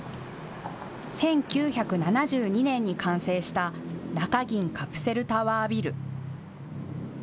１９７２年に完成した中銀カプセルタワービル。